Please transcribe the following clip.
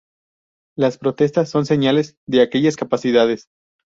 Las protestas son señales de aquellas capacidades.